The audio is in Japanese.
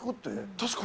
確かに。